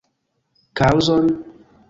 Kaŭzon?